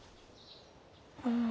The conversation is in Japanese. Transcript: うん。